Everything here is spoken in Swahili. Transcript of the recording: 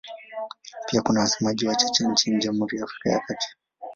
Pia kuna wasemaji wachache nchini Jamhuri ya Afrika ya Kati.